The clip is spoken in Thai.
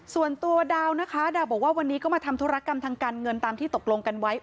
ส่วนตัวดาวนะคะดาวบอกว่าวันนี้ก็มาทำธุรกรรมทางการเงินตามที่ตกลงกันไว้